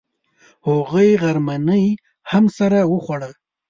هغوی غرمنۍ هم سره وخوړه.